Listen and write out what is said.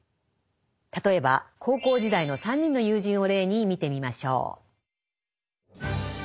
例えば高校時代の３人の友人を例に見てみましょう。